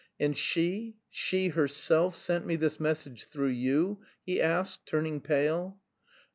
"And she, she herself sent me this message through you?" he asked, turning pale.